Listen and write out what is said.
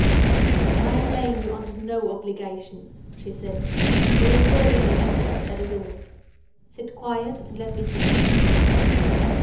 "I am laying you under no obligation," she said. "We are serving each other—that is all. Sit quiet, and let me think."